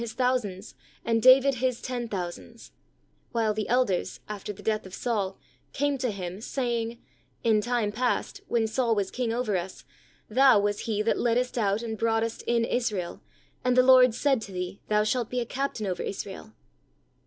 39 his thousands and David his ten thou sands," while the elders, after the death of Saul, came to him, saying, "In time past, when Saul was king over us, thou was he that leddest out and broughtest in Israel, and the Lord said to thee, thou shalt be a captain over Israel?"